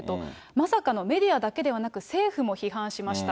まさかのメディアだけではなく政府も批判しました。